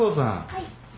はい。